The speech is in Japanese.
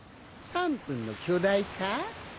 ３分の巨大化？